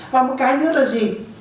và một cái nữa là gì